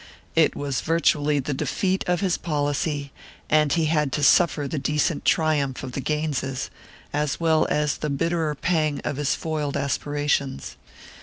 It was virtually the defeat of his policy, and he had to suffer the decent triumph of the Gaineses, as well as the bitterer pang of his foiled aspirations.